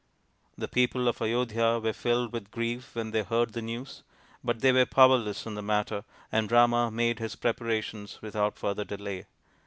The people of Ayodhya were filled with grief when they heard the news, but they were powerless in the matter, and Rama made his preparations without further delay.